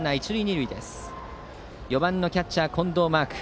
４番のキャッチャー、近藤真亜久。